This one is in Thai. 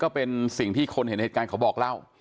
ก็เป็นสิ่งที่คนเห็นเหตุการณ์เขาบอกเล่า